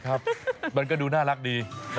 ก็นั่นแหละครับมันก็ดูน่ารักดีนะ